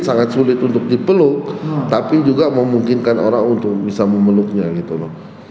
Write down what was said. sangat sulit untuk dipeluk tapi juga memungkinkan orang untuk bisa memeluknya gitu loh